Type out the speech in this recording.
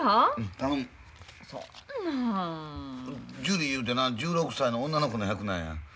ジュリィいうてな１６歳の女の子の役なんや。